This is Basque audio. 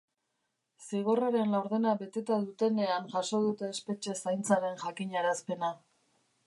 Zigorraren laurdena beteta dutenean jaso dute espetxe zaintzaren jakinarazpena.